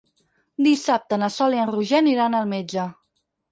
Dissabte na Sol i en Roger aniran al metge.